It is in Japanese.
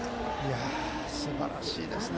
すばらしいですね。